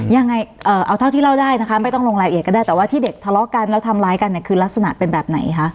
ยังไงเอาเท่าที่เล่าได้นะคะไม่ต้องลงรายละเอียดก็ได้แต่ว่าที่เด็กทะเลาะกันแล้วทำร้ายกันเนี่ยคือลักษณะเป็นแบบไหนคะ